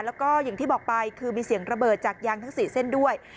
แล้วก็อย่างที่บอกไปคือมีเสียงระเบิดจากยางทั้ง๔เส้นด้วย